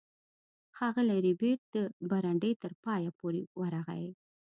ښاغلی ربیټ د برنډې تر پایه پورې ورغی